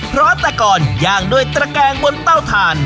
เพราะแต่ก่อนย่างด้วยตระแกงบนเต้าถ่าน